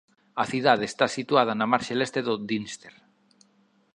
A cidade está situada na marxe leste do Dnister.